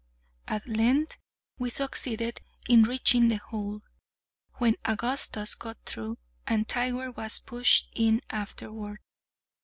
At length we succeeded in reaching the hole, when Augustus got through, and Tiger was pushed in afterward.